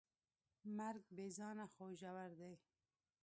مرګ بېځانه خو ژور دی.